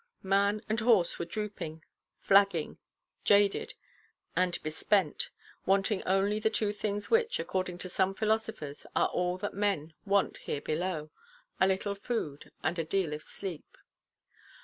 Man and horse were drooping, flagging, jaded and bespent; wanting only the two things which, according to some philosophers, are all that men want here below—a little food, and a deal of sleep.